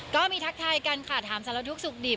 ก็มีทักทายกันค่ะถามสารทุกข์สุขดิบ